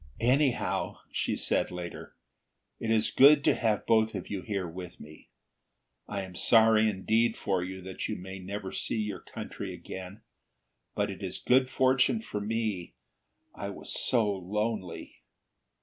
"Anyhow," she said later, "it is good to have both of you here with me. I am sorry indeed for you that you may never see your country again. But it is good fortune for me. I was so lonely."